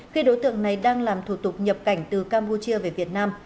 khi đối tượng này đang làm thủ tục nhập cảnh từ campuchia về việt nam